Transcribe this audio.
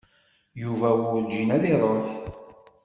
Yuba werǧin ad iṛuḥ.